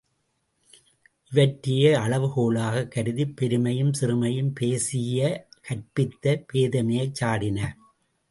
இவற்றையே அளவு கோலாகக் கருதிப் பெருமையும் சிறுமையும் பேசிய கற்பித்த பேதைமையைச் சாடினார்.